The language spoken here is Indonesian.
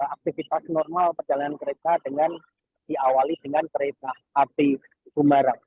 aktivitas normal perjalanan kereta dengan diawali dengan kereta api bumarang